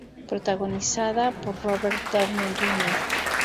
Protagonizada por Robert Downey Jr.